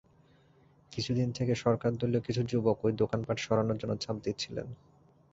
কিছুদিন থেকে সরকারদলীয় কিছু যুবক ওই দোকানপাট সরানোর জন্য চাপ দিচ্ছিলেন।